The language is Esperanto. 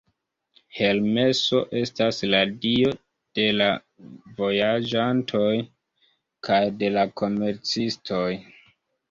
Hermeso estas la dio de la vojaĝantoj kaj de la komercistoj.